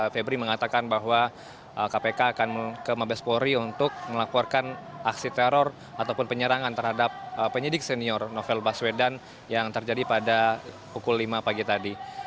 febri mengatakan bahwa kpk akan ke mabespori untuk melaporkan aksi teror ataupun penyerangan terhadap penyidik senior novel baswedan yang terjadi pada pukul lima pagi tadi